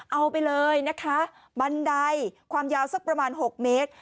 เอาไปเลยนะคะบันไดความยาวสักประมาณ๖เมตร